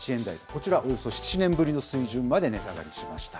こちら、およそ７年ぶりの水準まで値下がりしました。